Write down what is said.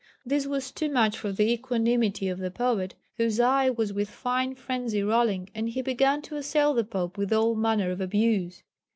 This was too much for the equanimity of the poet, whose eye was with fine frenzy rolling, and he began to assail the Pope with all manner of abuse.